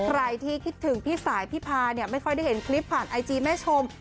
ใครที่คิดถึงพี่สายพี่พาเนี่ยไม่ค่อยได้เห็นคลิปผ่านไอจีแม่ชม